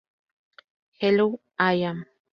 Hello I Am...